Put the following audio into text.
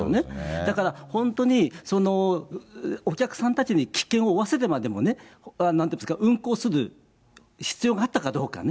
だから本当に、お客さんたちに危険を負わせてまでも、運行する必要があったかどうかね。